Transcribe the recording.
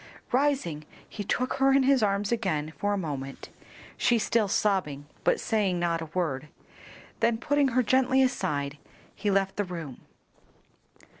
Rising, he took her in his arms again for a moment, she still sobbing, but saying not a word, then putting her gently aside, he left the room.